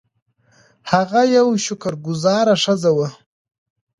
هغه یوه شکر ګذاره ښځه وه.